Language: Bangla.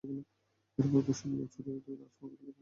এরপর খুরশিদ মিয়া ছুরি দিয়ে আছমার গলা কেটে মৃত্যু নিশ্চিত করেন।